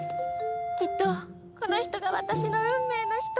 きっとこの人が私の運命の人。